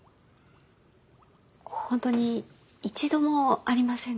本当に一度もありませんか？